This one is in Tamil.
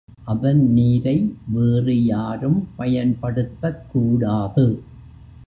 அதன் நீரை வேறு யாரும் பயன் படுத்தக்கூடாது.